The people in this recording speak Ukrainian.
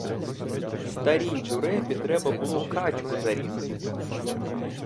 Старій дурепі треба було качку зарізати.